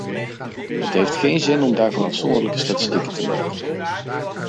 Het heeft geen zin om daarvoor afzonderlijke statistieken te maken.